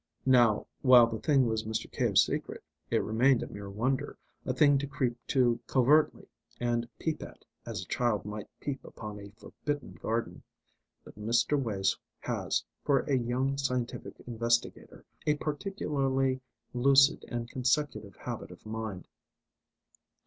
Now, while the thing was Mr. Cave's secret, it remained a mere wonder, a thing to creep to covertly and peep at, as a child might peep upon a forbidden garden. But Mr. Wace has, for a young scientific investigator, a particularly lucid and consecutive habit of mind.